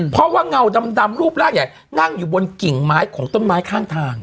เพราะว่าเงาดำรูปร่างใหญ่นั่งอยู่บนกิ่งไม้ของต้นไม้ข้างทาง